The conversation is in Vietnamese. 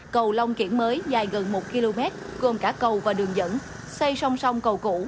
cầu lông kiện mới dài gần một km gồm cả cầu và đường dẫn xây song song cầu cũ